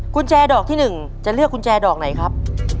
กุญแจดอกที่๑จะเลือกกุญแจดอกไหนครับ